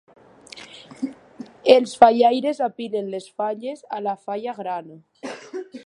Els fallaires apilen les falles a la falla gran.